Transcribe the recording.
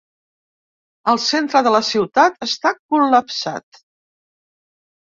El centre de la ciutat està col·lapsat.